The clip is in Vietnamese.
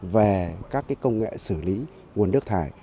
về các công nghệ xử lý nguồn nước thải